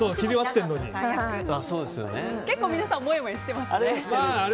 結構、皆さんもやもやしてますね。